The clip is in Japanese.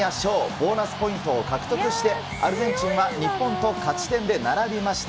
ボーナスポイントを獲得して、アルゼンチンは日本と勝ち点で並びました。